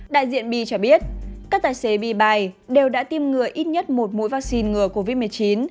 đại diện bi cho biết các tài xế bi bài đều đã tiêm ngừa ít nhất một mũi vaccine ngừa covid một mươi chín